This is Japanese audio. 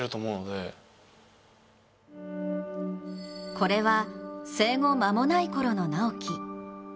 これは生後間もないころの直喜。